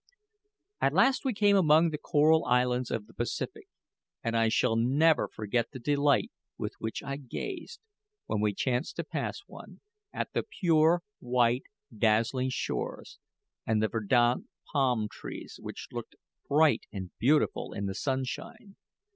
At last we came among the Coral Islands of the Pacific; and I shall never forget the delight with which I gazed when we chanced to pass one at the pure white, dazzling shores, and the verdant palm trees, which looked bright and beautiful in the sunshine.